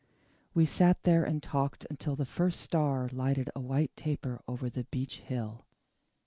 We sat there and talked until the first star lighted a white taper over the beech hill.